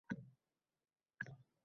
Raqobatchilar